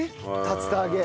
竜田揚げ。